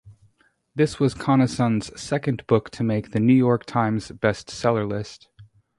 This was Conason's second book to make the "New York Times" bestseller list.